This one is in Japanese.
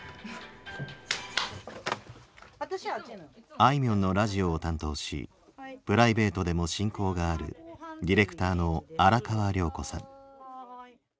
あいみょんのラジオを担当しプライベートでも親交があるディレクターの荒川涼子さん。